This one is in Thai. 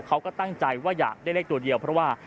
เขาก็ตั้งใจว่าอยากได้เลขตัวเดียวเพราะว่า